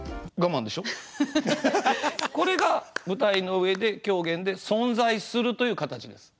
これが舞台の上で狂言で存在するという形です。